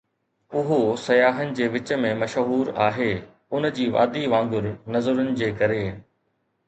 اهو سياحن جي وچ ۾ مشهور آهي ان جي وادي وانگر نظرن جي ڪري.